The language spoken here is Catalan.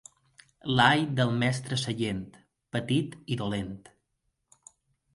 L'all del mestre Sallent: petit i dolent.